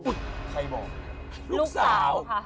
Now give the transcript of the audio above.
ใครบอกลูกสาว